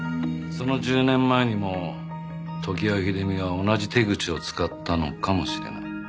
その１０年前にも常盤秀美は同じ手口を使ったのかもしれない。